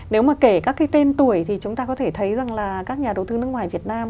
nếu mà kể các cái tên tuổi thì chúng ta có thể thấy rằng là các nhà đầu tư nước ngoài việt nam